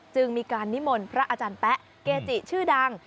จึงมีการนิมนต์พระอาจารย์แป๊ะเกจิชื่อดัง